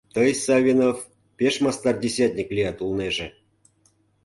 — Тый, Савинов, пеш мастар десятник лият улнеже...